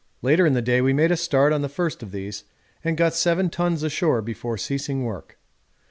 Later in the day we made a start on the first of these, and got 7 tons ashore before ceasing work.